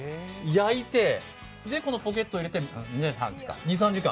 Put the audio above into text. で、このポケットに入れて２３時間。